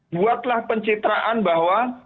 buatlah pencitraan bahwa